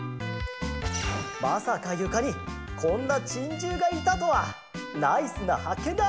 まさかゆかにこんなチンジューがいたとはナイスなはっけんだ！